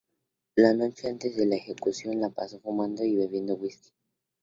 La noche antes de la ejecución la pasó fumando y bebiendo whisky.